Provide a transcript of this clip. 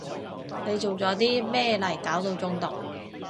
你做咗啲咩嚟搞到中毒？